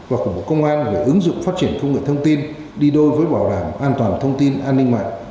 và của bộ công an về ứng dụng phát triển công nghệ thông tin đi đôi với bảo đảm an toàn thông tin an ninh mạng